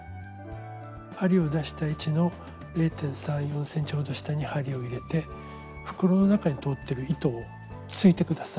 針を出した位置の０．３０．４ｃｍほど下に針を入れて袋の中に通ってる糸を突いて下さい。